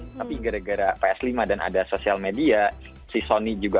ps tiga ps empat nggak pernah ada yang kayak gini tapi gara gara ps lima dan ada sosial media si sony juga